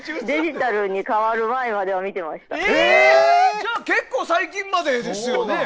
じゃあ結構最近までですよね。